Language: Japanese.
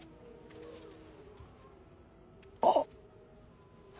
あっ。